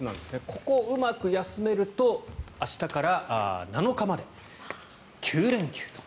ここをうまく休めると明日から７日まで９連休と。